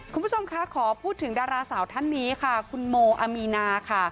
คุณผู้ชมคะขอพูดถึงดาราสาวท่านนี้ค่ะคุณโมอามีนาค่ะ